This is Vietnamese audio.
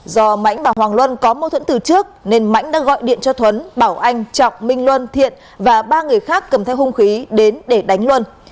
do mãnh và hoàng luân có mâu thuẫn từ trước nên mãnh đã gọi điện cho thuấn bảo anh trọng minh luân thiện và ba người khác cầm theo hung khí đến để đánh luân